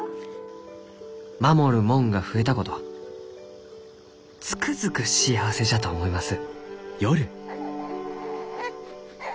「守るもんが増えたことつくづく幸せじゃと思います」。